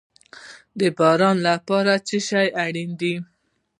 د باران لپاره څه شی اړین دي؟